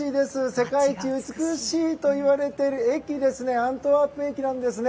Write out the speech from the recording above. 世界一美しいといわれているアントワープ駅なんですね。